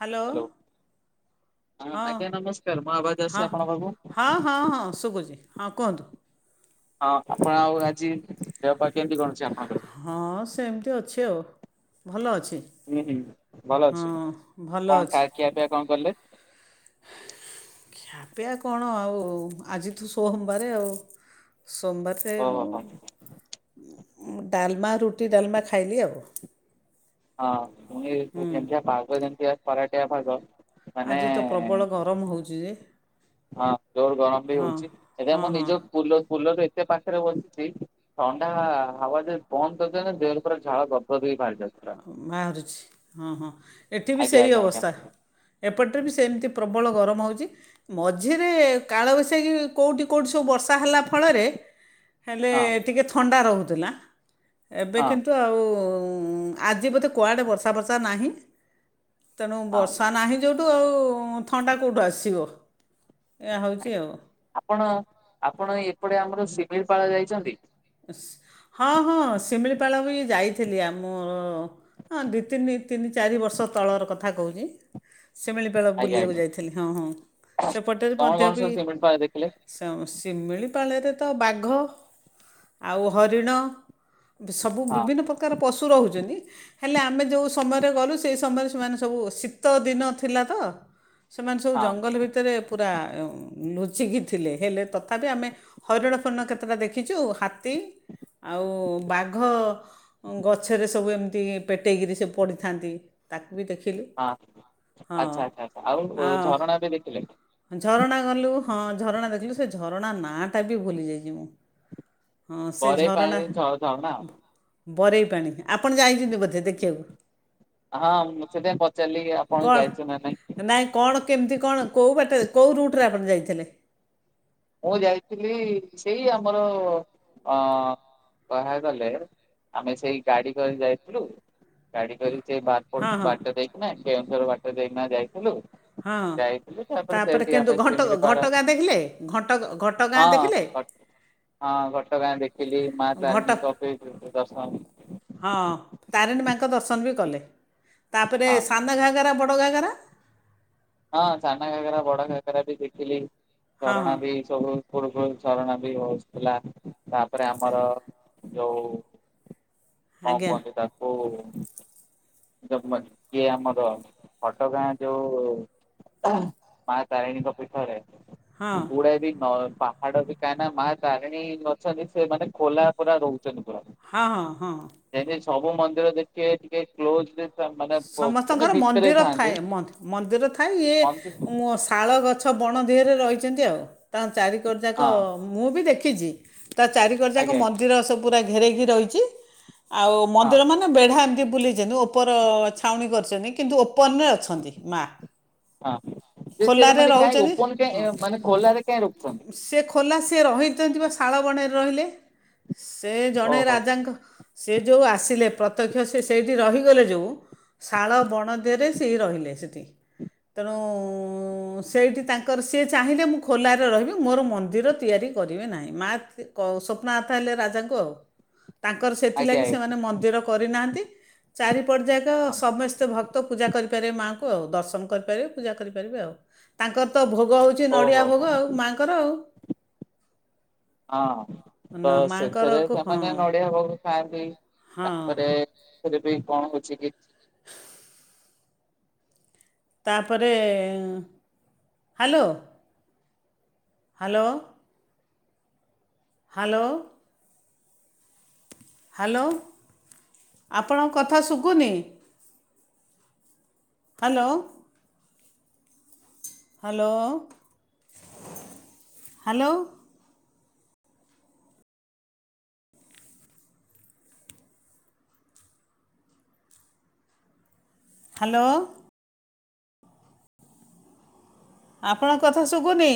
Hello hello. ହଁ ଆଜ୍ଞା ନମସ୍କାର ମୋ ଆବାଜ ଆସୁଛି ହଁ ଆପଣଙ୍କ ପାଖକୁ? ହଁ ହଁ ହଁ ଶୁବୁଚି। ହଁ କୁହନ୍ତୁ। ହଁ ଆପଣ ଆଉ ଆଜି ଦେହ ପା କେମିତି କଣଛି ଆପଣ? ହଁ ସେମିତି ଅଛି ଆଉ ଭଲ ଅଛି। ହୁଁ ହୁଁ ଭଲ ହଁ ଅଛି ଭଲ କଣ ଅଛି କା ଖିଆ ପିଆ କଣ କଲେ? ଖିଆ ପିଆ କଣ ଆଉ ଆଜିତ ସୋମବାରେ ଆଉ। ସୋମବାର ରେ ଓହୋ ହୋ ଡାଲମା ରୁଟି ଡାଲମା ଖାଇଲି ଆଉ। ହଁ [inaudible] ହୁଁ ପାଗ ଯେମିତିଆ। [unintelligible] ଆଜି ତ ପ୍ରବଳ ଗରମ ହଉଛି ଯେ। ହଁ ଜୋର ଗରମ ବି ହଁ ହଉଚି ଏଟ ହଁ ମୁଁ ହଁ ନିଜ କୁଲ କୁଲର୍ ରେ ପାଖରେ ବସିଛି ଥଣ୍ଡା ହବା ଯେ ବନ୍ଦ କରିଦେନେ ଦେହରୁ ପୁରା ଝାଳ ଗଦ ଗଦ ହେଇକି ବାହାରି ଯାଉଛି ପୁରା। ବାହାରୁଛି ହଁ ହଁ ଏଠି ବି ଆଜ୍ଞା ସେଇ ଆଜ୍ଞା ଆଜ୍ଞା ଅବସ୍ଥା ଏପଟରେ ବି ସେମତି ପ୍ରବଳ ଗର ମ ହଉଚି ମଝିରେ କାଳ ବୈଶାଖୀ କୋଉଠି କୋଉଠି ସବୁ ବର୍ଷ ଷା ହେଲା ଫଳରେ ହେଲେ ହଁ ଟିକିଏ ଥଣ୍ଡା ରହୁ ଥିଲା। ଏବେ ହଁ କିନ୍ତୁ ଆଉ ହୁଁ। ଆଜି ବୋଧେ କୁଆଡ଼େ ବର୍ଷା ଫର୍ଷା ନାହିଁ। ତେଣୁ ହଁ ବର୍ଷା ନାହିଁ ଯୋଉଠୁ ଆଉ ଥଣ୍ଡା କେଉଠୁ ଆସିବ? ଏହା ହେଉଛି ଆଜ୍ଞା ଆଉ ଆପଣ ଆପଣ ଏପଟେ ଆମର ଶି ମିଳିପାଳ ଯାଇଚନ୍ତି? ଶି ହଁ ହଁ ଶିମିଳିପାଳ ବି ଯାଇଥିଲି ଆମର ହଁ ଦି ତିନି ତିନି ଚାରି ବର୍ଷ ତଳର କଥା କହୁଚି। ଶିମିଳିପାଳ ଆଜ୍ଞା ବୁଲିବାକୁ ଆଜ୍ଞା ଯାଇଥିଲି ହଁ ହଁ ସେପଟରେ କଣ ମଧ୍ୟ କଣ ବି ସବୁ ସିମିଳିପାଳ ପାଳ ଦେଖିଲେ? ସ ଶିମିଳି ପାଳରେ ତ ବାଘ ଆଉ ହରିଣ ସବୁ ହଁ ବିଭିନ୍ନ ପ୍ରକାର ପଶୁ ରହୁଛନ୍ତି। ହେଲେ ଆମେ ଯେଉଁ ସମୟରେ ଗଲୁ ସେ ସମୟରେ ସେମାନେ ସବୁ ଶୀତ ଦିନ ଥିଲା ତ ସେମାନେ ସବୁ ହଁ ଜଙ୍ଗଲ ଭିତରେ ପୁରା ଲୁଚିକି ଥିଲେ ହେଲେ ତଥାପି ଆମେ ହରିଣ ଫରିଣ କେତେଟା ଦେଖିଛୁ, ହା ତୀ ଆଉ ବାଘ ଗଛରେ ସବୁ ଏମିତି ପେଟେଇକିରି ସେ ପଡ଼ିଥାନ୍ତି ତାକୁ ବି ଦେଖିଲୁ ହଁ ହଁ ଆଚ୍ଛା ଆଚ୍ଛା ଆଛା ଆଉ ଝରଣା ବି ଦେଖିଲେ? ହଁ, ଝରଣା ଗଲୁ ହଁ ଝରଣା ଦେଖିଲୁ ସେ ଝରଣା ନାଁଟା ବି ଭୁଲି ଯାଇଛି ମୁଁ ହଁ ସେ ଘରେ ପାଞ୍ଚ ଝରଣା ଦିନ ଛଅ ଥର ନା ବରେଇ ପାଣି ଆପଣ ଯାଇ ଛନ୍ତି ବୋଧେ ଦେଖିବାକୁ ହଁ ମୁଁ ସେଥିପାଇଁ ପଚାରିଲି ଆପଣ ଯାଇଛନ୍ତି ନା କଣ ନାଇଁ କଣ କେମିତି କଣ କୋଉ ବାଟେ କେଉ ରୁଟରେ ଆପଣ ଯାଇଥିଲେ? ମୁଁ ଯାଇଥିଲି ସେଇ ଆମର ଅ କହା ଗଲେ ଆମେ ସେଇ ଗାଡି କରି ଯାଇଥିଲୁ ଗାଡି କରି ସେଇ ହଁ ବାରପଟ ହଁ ବାଟ ଦେଇକି ନା କେ ର ବାଟ ଦେଇକି ଯାଇ ହଁ ତାପରେ ସେଇଠି କିନ୍ତୁ ଆମେ ଘଟ ଶିମିଳିପାଳ ଘଟଗାଁ ଦେଖିଲେ ଘ ହଁ ହଁ ଘଟଗାଁ ଦେଖିଲି ମା ଘଟ ତାରିଣୀଙ୍କ ପି ଦର୍ଶନ ହଁ ତାରିଣୀ ମାଙ୍କ ଦର୍ଶନ ବି କଲେ ତାପରେ ହଁ ସାନ ଘାଗରା ବଡ଼ ଘାଗରା?? ହଁ ସାନ ଘାଗରା ବଡ ଘାଗରା ବି ଦେଖିଲି। ହଁ ଝରଣା ହଁ ବି ସବୁ କୁଳୁ କୁଳୁ ହେ ଶରଣ ବି ବସିଥିଲା ତାପରେ ଆମର ଯୋଉ କଣ ଆଜ୍ଞା କୁହନ୍ତି ତାକୁ କିଏ ଆମର ଘଟଗାଁ ଯୋଉ ମା ତାରିଣୀଙ୍କ ପୀଠରେ ହଁ [unintelligible] ହାଡ ବିକା ନା ମା ତାରିଣୀ ଅଛନ୍ତି ସେ ମାନେ ଖୋଲା ପୁରା ରହୁ ହଁ ହଁ। ସବୁ ମନ୍ଦିର ଦେଖେ ଟିକେ କ୍ଲୋଜ୍ ଡେ ସମସ୍ତଙ୍କର ମନ୍ଦିର ଥାଏ ମନ୍ଦିର ଥାଏ। ଇଏ ମନ୍ଦିର ହଁ ଶାଳ ଗଛ ବଣ ଦେହରେ ରହିଛନ୍ତି ଆଉ। ତାଙ୍କ ଚାରି କର ଯାକ ମୁଁ ବି ଦେଖି କେଜି। ତା ଚାରି କର ଯାକ ଆଜ୍ଞା ମନ୍ଦିର ସବୁ ପୁରା ଘେରେଇକି ରହିଛି। ଆଉ ହଁ ମନ୍ଦିର ମାନେ ବେଢା ଏମିତି ବୁଲି ଯେନ୍ତି। ଉପର ଛାଉଣି କରିଛନ୍ତି। କିନ୍ତୁ ଓପନ୍ ରେ ଅଛନ୍ତି ମା। ହଁ। ଯେ ସେ ଖୋଲାରେ ମାନେ କାହିଁ ରହୁଛନ୍ତି। ଓପନ ହଁ କାହିଁ ମାନେ ଖୋଲାରେ କାହିଁ ରଖୁଛନ୍ତି। ସେ ଖୋଲା ସିଏ ରହିଛନ୍ତି ପା। ଶାଳ ବଣେରେ ରହିଲେ। ସେ ଜଣେ ଓହୋ। ରାଜାଙ୍କ ସେ ଯେଉଁ ଆସିଲେ ପ୍ରତ୍ୟକ୍ଷ ସେ ସେଇଠି ରହିଗଲେ ଯୋଉ। ଶାଳ ବଣ ଦେହେରେ ସେଇ ରହିଲେ ସେଠି। ତେଣୁ ସେଇଠି ତାଙ୍କର ସିଏ ଚାହିଁଲେ ମୁଁ ଖୋଲାରେ ରହିବି। ମୋର ମନ୍ଦିର ତିଆରି କରିବି ନାହିଁ। ମା କ ସ୍ୱପ୍ନଥା ହେଲେ ରାଜାଙ୍କୁ ଆଉ। ତାଙ୍କର ଆଜ୍ଞା ସେଥିଲାଗି ଆଜ୍ଞା ସେମାନେ ମନ୍ଦିର କରିନାହାଁନ୍ତି। ଚାରିପଟ ଯାକ ସମସ୍ତେ ଭକ୍ତ ପୂଜା କରିପାରିବେ ମାଆଙ୍କୁ ଆଉ। ଦର୍ଶନ କରିପାରିବେ ପୂଜା କରିପାରିବେ ଆଉ। ତାଙ୍କର ତ ଭୋ ଗ ଉଛି ହଁ ଓହୋ ନଡିଆ ହୋ ଭୋଗ ଆଉ ମାଆଙ୍କର ଆଉ। ହଁ ତ ନା ସେଥିରେ ମାଆଙ୍କରକୁ ସେମାନେ ହଁ ନଡିଆ ହବାକୁ ଖାଆଁନ୍ତି। ହଁ ତାପରେ ରେ ବି କଣ ହଉଛି। [unintelligible] ତାପରେ ଏଁ ହ୍ୟାଲୋ। ହାଲୋ। ହାଲୋ। ହ୍ୟାଲୋ ଆପଣଙ୍କ କଥା ଶୁଖୁନି ହ୍ୟାଲୋ। Hello hello. ହ୍ୟାଲୋ। ଆପଣଙ୍କ କଥା ଶୁଭୁନି।